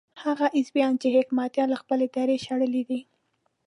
هغه حزبيان چې حکمتیار له خپلې درې شړلي دي.